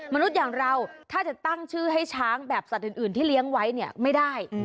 มนุษย์อย่างเราถ้าจะตั้งชื่อให้ช้างแบบสัตว์อื่นที่เลี้ยงไว้เนี่ยไม่ได้